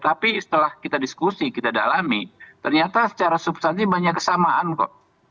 tapi setelah kita diskusi kita dalami ternyata secara subsanti banyak kesamaan kok